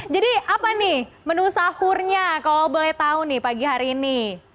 jadi apa nih menu sahurnya kalau boleh tahu nih pagi hari ini